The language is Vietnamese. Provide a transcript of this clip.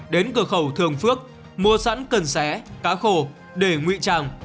đến cửa khẩu thường phước mua sẵn cần xé cá khô để ngụy trang